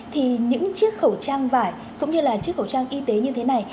thì những chiếc khẩu trang vải cũng như là chiếc khẩu trang y tế như thế này